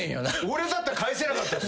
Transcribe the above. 俺だったら返せなかった。